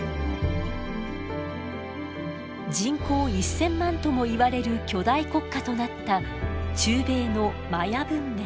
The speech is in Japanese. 人口１，０００万ともいわれる巨大国家となった中米のマヤ文明。